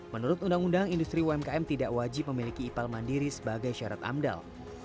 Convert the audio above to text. menurut undang undang industri umkm tidak wajib memiliki ipal mandiri sebagai syarat amdal